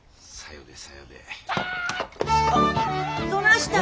・どないしたんや？